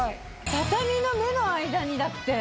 畳の目の間にだって。